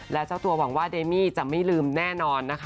และเจ้าตัวหวังว่าเดมี่จะไม่ลืมแน่นอนนะคะ